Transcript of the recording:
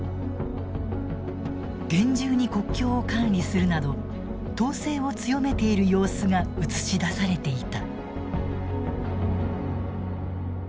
厳重に国境を管理するなど統制を強めている様子が映し出されていた。